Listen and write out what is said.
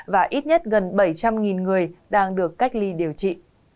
và ít nhất gần bảy trăm linh người đang được cách ly điều trị